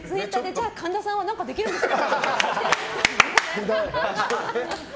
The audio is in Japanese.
じゃあ神田さんは何かできるんですか？